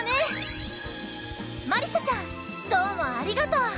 まりさちゃんどうもありがとう！